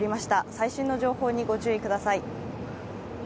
最新の情報にご注意ください。